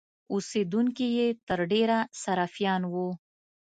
اوسېدونکي یې تر ډېره سرفیان وو.